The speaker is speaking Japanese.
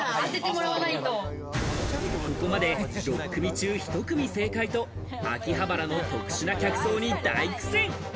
ここまで６組中１組正解と、秋葉原の特殊な客層に大苦戦。